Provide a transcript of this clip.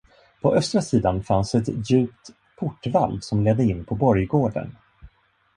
På östra sidan fanns ett djupt portvalv, som ledde in på borggården.